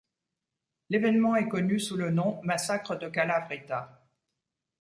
L'événement est connu sous le nom massacre de Kalávryta.